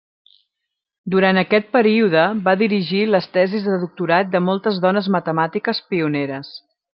Durant aquest període va dirigir les tesis de doctorat de moltes dones matemàtiques pioneres.